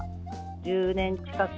１０年近く、